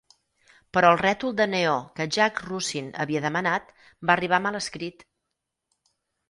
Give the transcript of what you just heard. Però el rètol de neó que Jack Russin havia demanat va arribar mal escrit.